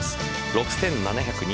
６７０２